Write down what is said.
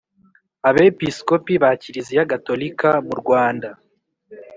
abepiskopi ba kiliziya gatolika mu rwanda